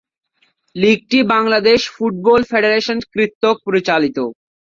লীগটি Bangladesh football federation কর্তৃক পরিচালিত।